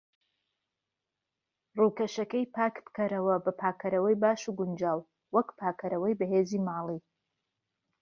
ڕوکەشەکەی پاک بکەرەوە بە پاکەرەوەی باش و گونجاو، وەک پاکەرەوەی بەهێزی ماڵی.